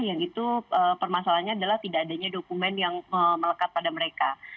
yang itu permasalahannya adalah tidak adanya dokumen yang melekat pada mereka